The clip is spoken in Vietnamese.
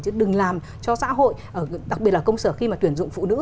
chứ đừng làm cho xã hội đặc biệt là công sở khi mà tuyển dụng phụ nữ